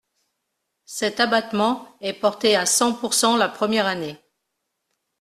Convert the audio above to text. Cet abattement est porté à cent pourcent la première année.